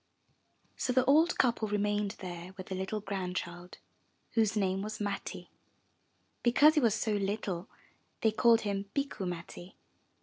So the old couple remained there with a little grand child, whose name was Matti. Because he was so little they called him Bikku Matti.